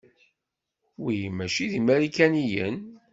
Wi mačči d imarikaniyen?